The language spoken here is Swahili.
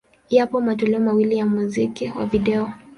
Yapo matoleo mawili ya muziki wa video.